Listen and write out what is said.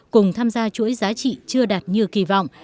cùng tham gia chuỗi giá trị chưa đạt như kỳ vọng